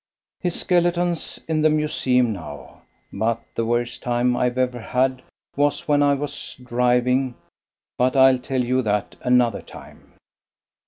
His skeleton's in the museum now; but the worst time I ever had was when I was driving ; but I'll tell you that another time.